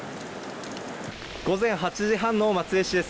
午前８時半の松江市です。